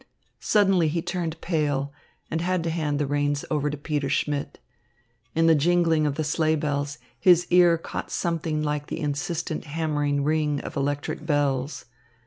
Suddenly he turned pale and had to hand the reins over to Peter Schmidt. In the jingling of the sleigh bells his ear caught something like the insistent hammering ring of electric bells.